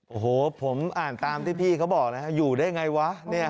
โอ้โหผมอ่านตามที่พี่เขาบอกนะครับอยู่ได้ไงวะ